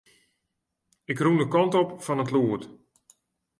Ik rûn de kant op fan it lûd.